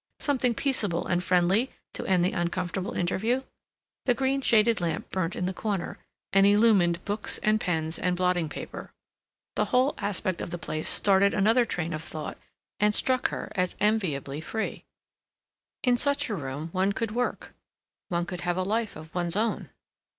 something peaceable and friendly to end the uncomfortable interview? The green shaded lamp burnt in the corner, and illumined books and pens and blotting paper. The whole aspect of the place started another train of thought and struck her as enviably free; in such a room one could work—one could have a life of one's own.